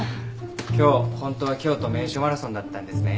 今日本当は京都名所マラソンだったんですね。